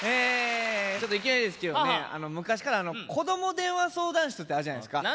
いきなりですけどもね昔から子ども電話相談室ってあるじゃないですか。